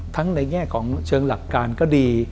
ในแง่ของเชิงหลักการก็ดี